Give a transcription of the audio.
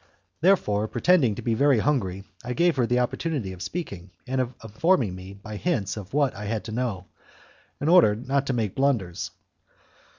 Therefore, pretending to be very hungry, I gave her the opportunity of speaking and of informing me by hints of what I had to know, in order not to make blunders.